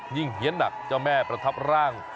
เฮียนหนักเจ้าแม่ประทับร่าง